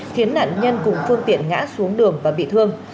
khiến nạn nhân cùng phương tiện ngã xuống đường và bị thương